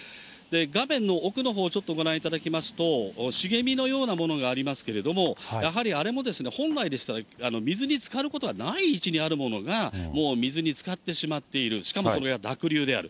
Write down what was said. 画面の奥のほう、ちょっとご覧いただきますと、茂みのようなものがありますけれども、やはりあれも本来でしたら、水につかることがない位置にあるものが、もう水につかってしまっている、しかもそれが濁流である。